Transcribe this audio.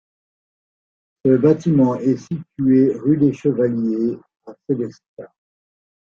Ce bâtiment est situé rue des Chevaliers à Sélestat.